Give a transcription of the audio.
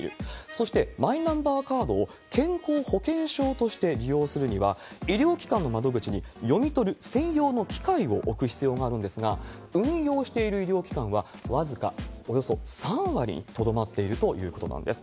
そして、マイナンバーカードを健康保険証として利用するには、医療機関の窓口に読み取る専用の機械を置く必要があるんですが、運用している医療機関は僅かおよそ３割にとどまっているということなんです。